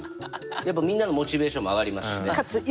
やっぱみんなのモチベーションも上がりますしね。